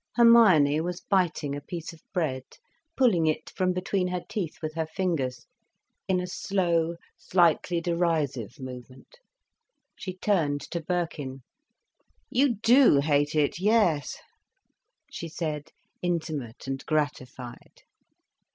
Hermione was biting a piece of bread, pulling it from between her teeth with her fingers, in a slow, slightly derisive movement. She turned to Birkin. "You do hate it, yes," she said, intimate and gratified.